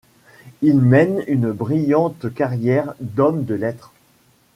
Il mène une brillante carrière d'homme de lettres.